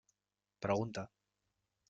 Pregunta.